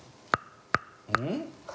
うん？